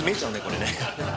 これね。